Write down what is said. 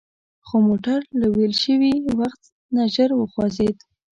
خو موټر له ویل شوي وخت نه ژر وخوځید.